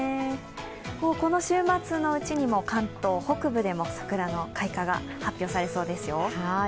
この週末のうちに関東北部でも桜の開花が発表されそうですよ。